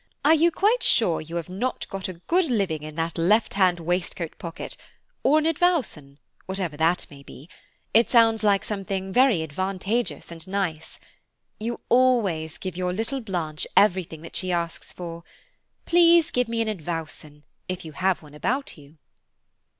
Are you quite sure you have not got a good living in that left hand waistcoat pocket, or an advowson? whatever that may be. It sounds like something very advantageous and nice. You always give your little Blanche everything she asks for. Please give me an advowson if you have one about you."